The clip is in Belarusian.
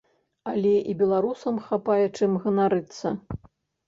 Але і беларусам хапае чым ганарыцца.